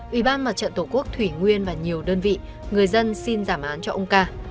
ủy ban mặt trận tổ quốc thủy nguyên và nhiều đơn vị người dân xin giảm án cho ông ca